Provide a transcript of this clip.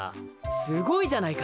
すごいじゃないか。